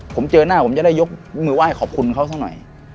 ผมจะได้ยกมือว่าขอบคุณครัวสักหน่อย